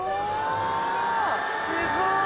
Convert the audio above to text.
すごい！